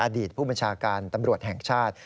อดีตผู้บัญชาการตำรวจแห่งชาติ